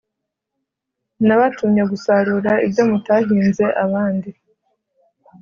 Nabatumye gusarura ibyo mutahinze abandi